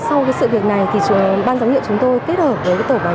sau cái sự việc này thì ban giám hiệu chúng tôi kết hợp với tổ quản